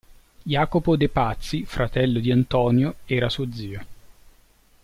Jacopo de' Pazzi, fratello di Antonio era suo zio.